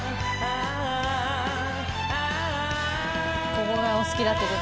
ここがお好きだって事ですね